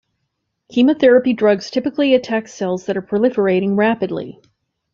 Chemotherapy drugs typically attack cells that are proliferating rapidly.